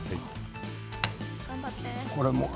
頑張って。